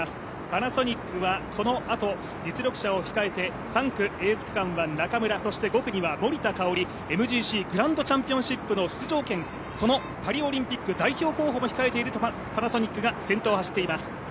パナソニックはこのあと実力者を控えて３区エース区間は中村、そして５区には森田香織、ＭＧＣ、マラソングランドチャンピオンシップの出場権そのパリオリンピック代表候補も控えているパナソニックが先頭を走っています。